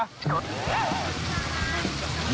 ไม่รู้จัก